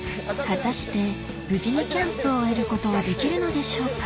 果たして無事にキャンプを終えることはできるのでしょうか？